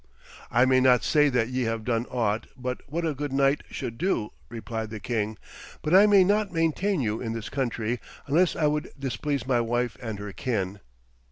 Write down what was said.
'I may not say that ye have done aught but what a good knight should do,' replied the king, 'but I may not maintain you in this country unless I would displease my wife and her kin.'